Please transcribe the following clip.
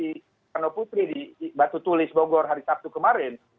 soekarno putri di batu tulis bogor hari sabtu kemarin